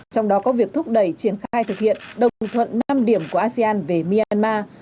trong đó có việc thúc đẩy triển khai thực hiện đồng thuận năm điểm của asean về myanmar